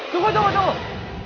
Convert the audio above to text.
tunggu tunggu tunggu